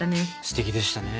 すてきでしたね。